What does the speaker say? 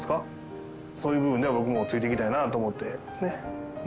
そういう部分では僕もついていきたいなと思って。